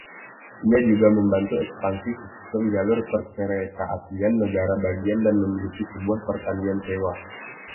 Ia juga membantu ekspansi sistem jalur perkeretaapian negara bagian dan memiliki sebuah pertanian sewa.